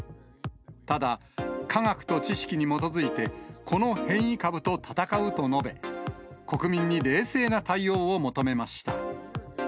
ただ、科学と知識に基づいて、この変異株と闘うと述べ、国民に冷静な対応を求めました。